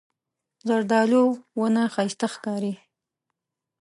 زردالو ونه ښایسته ښکاري.